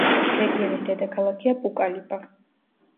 რეგიონის დედაქალაქია პუკალიპა.